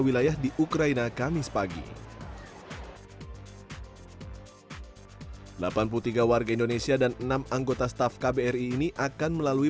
wilayah di ukraina kamis pagi delapan puluh tiga warga indonesia dan enam anggota staff kbri ini akan melalui